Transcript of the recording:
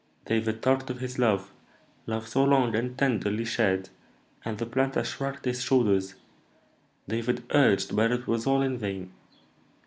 David talked of his love, love so long and tenderly shared, and the planter shrugged his shoulders; David urged, but it was all in vain.